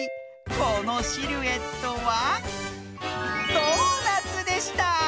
このシルエットはドーナツでした。